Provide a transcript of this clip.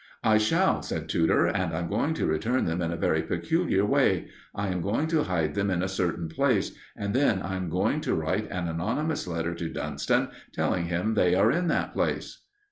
"I shall," said Tudor, "and I'm going to return them in a very peculiar way. I am going to hide them in a certain place, and then I am going to write an anonymous letter to Dunston, telling him they are in that place."